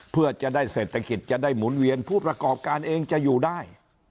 เพื่อจะได้เศรษฐกิจจะได้หมุนเวียนผู้ประกอบการเองจะอยู่ได้